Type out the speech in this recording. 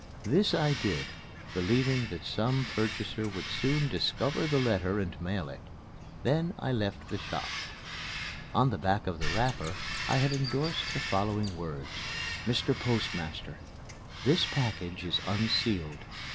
This I did, believing that some purchaser would soon discover the letter and mail it. Then I left the shop. On the back of the wrapper I had endorsed the following words: "Mr. Postmaster: This package is unsealed.